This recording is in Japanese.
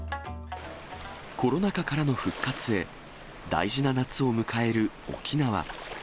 コロナ禍からの復活へ、大事な夏を迎える沖縄。